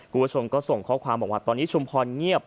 คุณผู้ชมก็ส่งข้อความบอกว่าตอนนี้ชุมพรเงียบ